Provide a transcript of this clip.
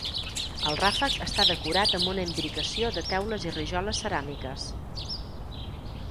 El ràfec està decorat amb una imbricació de teules i rajoles ceràmiques.